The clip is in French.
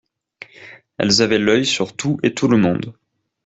Elles avaient l’œil sur tout et tout le monde.